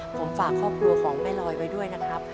ผมฝากครอบครัวของแม่ลอยไว้ด้วยนะครับ